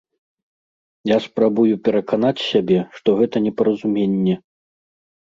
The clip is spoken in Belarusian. Я спрабую пераканаць сябе, што гэта непаразуменне.